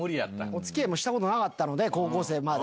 お付き合いもしたことなかった高校生まで。